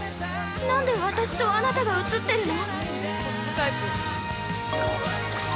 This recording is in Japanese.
何で私とあなたが写ってるの？